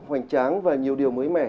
hoành tráng và nhiều điều mới mẻ